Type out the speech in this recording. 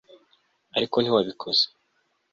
Ariko ntiwabikoze